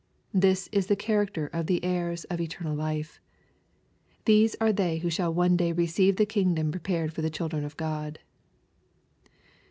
This is the char acter of the heirs of eternal life. These are they who shall one day receive the kingdom prepared for the children of God.